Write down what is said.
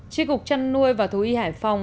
chiếc cục chăn nuôi và thú y hải phòng